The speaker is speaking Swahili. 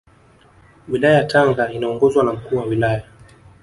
Wilaya ya Tanga inaongozwa na Mkuu wa Wilaya